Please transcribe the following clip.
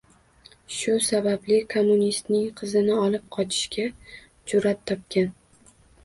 Shu sababli kommunistning qizini olib qochishga jur’at topgan.